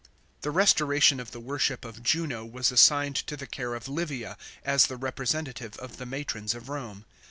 The restoration of the worship of Juno was assigned to the care of Livia, as the representative of the matrons of Rome.